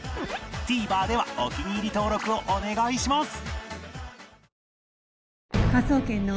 ＴＶｅｒ ではお気に入り登録をお願いします